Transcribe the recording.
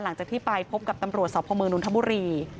หลังจากที่ไปพบกับตำรวจสพมนทบุรี